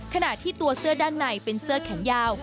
ขณะที่ตัวเสื้อด้านในเป็นเสื้อแขนยาว